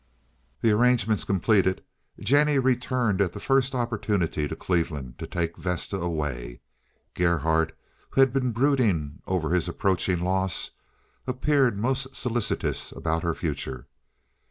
The arrangements completed, Jennie returned at the first opportunity to Cleveland to take Vesta away. Gerhardt, who had been brooding over his approaching loss, appeared most solicitous about her future.